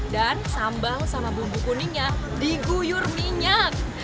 dan sambal sama bumbu kuningnya diguyur minyak